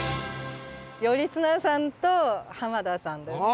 頼綱さんと濱田さんです。